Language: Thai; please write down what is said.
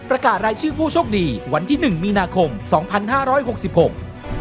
ประกาศรายชื่อผู้โชคดีวันที่หนึ่งมีนาคมสองพันห้าร้อยหกสิบหก